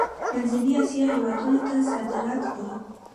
د منځنۍ اسیا هیوادونو ته صادرات لرو؟